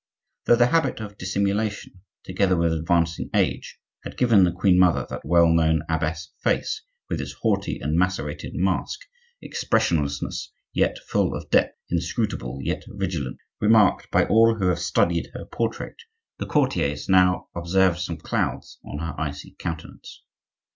Though the habit of dissimulation, together with advancing age, had given the queen mother that well known abbess face, with its haughty and macerated mask, expressionless yet full of depth, inscrutable yet vigilant, remarked by all who have studied her portrait, the courtiers now observed some clouds on her icy countenance.